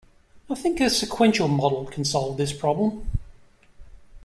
I think a sequential model can solve this problem.